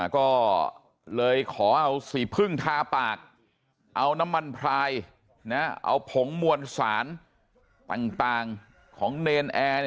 ก็เลยขอเอาสีพึ่งทาปากเอาน้ำมันพลายเอาผงมวลสารต่างของเนรนแอร์